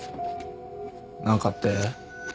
何かって？